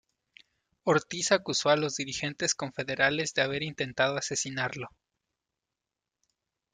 Ortiz acusó a los dirigentes confederales de haber intentado asesinarlo.